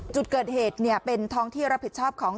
จุดเกิดเหตุเป็นท้องที่รับผิดชอบของ